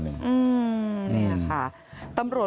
นี่นะคะ